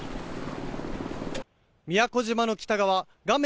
宮古島の北側画面